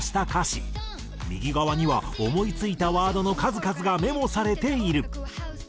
右側には思いついたワードの数々がメモされている。